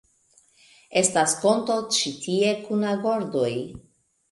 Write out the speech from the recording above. Estas konto ĉi tie kun agordoj